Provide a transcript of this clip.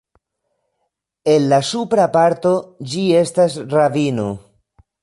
En la supra parto ĝi estas ravino.